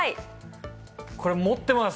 これ持ってます。